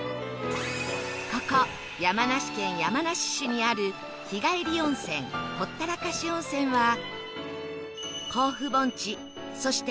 ここ山梨県山梨市にある日帰り温泉ほったらかし温泉は甲府盆地そして